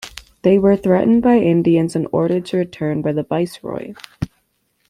They were threatened by Indians and ordered to return by the viceroy.